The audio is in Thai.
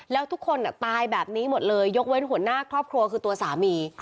แล้วทุกคนตายแบบนี้หมดเลยยกเว้นหัวหน้าครอบครัวคือตัวสามี